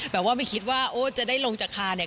แบบว่าไม่คิดว่าโอ้จะได้ลงจากคาเนี่ย